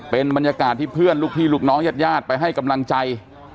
เป็นบรรยากาศที่เพื่อนลูกพี่ลูกน้องญาติญาติไปให้กำลังใจ